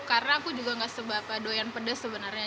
karena aku juga gak seba apa doyan pedes sebenarnya